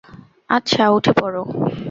আচ্ছা, উঠে পড়ো।